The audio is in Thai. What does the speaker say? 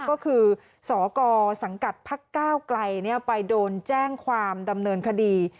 ก็คือสกสังกัดพักก้าวไกลไปโดนแจ้งความดำเนินคดี